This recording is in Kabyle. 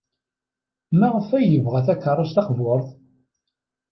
Maɣef ay yebɣa takeṛṛust taqburt?